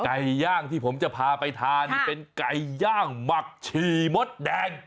ไก่ย่างที่ผมจะพาไปทานนี่เป็นไก่ย่างหมักฉี่มดแดง